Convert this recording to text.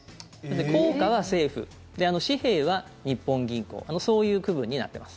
硬貨は政府で、紙幣は日本銀行そういう区分になってます。